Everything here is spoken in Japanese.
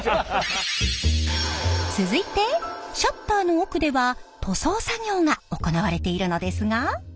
続いてシャッターの奥では塗装作業が行われているのですが。